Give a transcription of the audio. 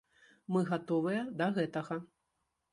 Мы гатовыя да гэтага.